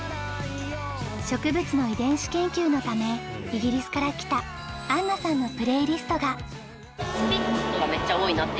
植物の遺伝子研究のためイギリスから来たアンナさんのプレイリストが。